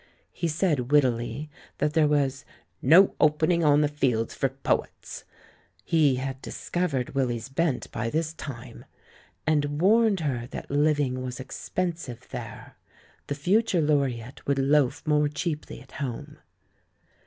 He said wit tily that there was "no opening on the Fields for poets" — he had discovered Willy's bent by this time — and warned her that living was expensive there; the future Laureate wpuld loaf more cheaply at home.